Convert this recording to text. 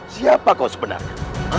siapa kau sebenarnya